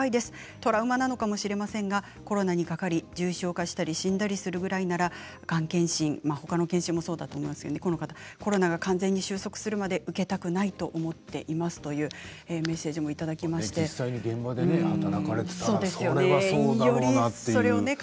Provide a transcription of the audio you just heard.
トラウマなのかもしれませんがコロナにかかり重症化したり死んだりするくらいならがん検診ほかの方もそうかもしれませんが収束するまで受けたくないと思っていますというメッセージをいただいています。